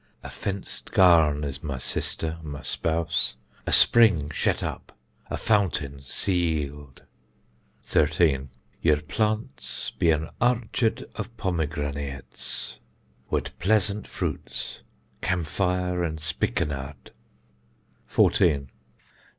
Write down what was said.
A fenced garn is my sister, my spouse, a spring shet up, a fountain seäled. 13. Yer plants be an archard of pomegranates wud pleasant fruits, camphire an spikenard. 14.